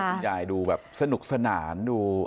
คุณยายดูแบบสนุกสนานดู